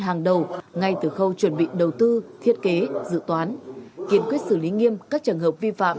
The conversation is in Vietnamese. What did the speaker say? hàng đầu ngay từ khâu chuẩn bị đầu tư thiết kế dự toán kiên quyết xử lý nghiêm các trường hợp vi phạm